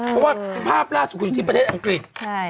เพราะว่าภาพล่าสุขุนชีพประเทศอังกฤษ